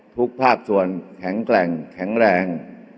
ภาคส่วนแข็งแกร่งแข็งแรง